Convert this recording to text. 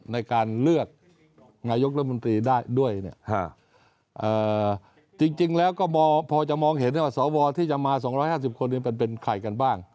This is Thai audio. ในการเลือกนายกรัฐมนตรีได้ด้วยเนี่ยจริงแล้วก็พอจะมองเห็นว่าสวที่จะมา๒๕๐คนเป็นใครกันบ้าง